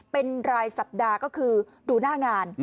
เป็นรายสัปดาห์ก็คือดูหน้างาน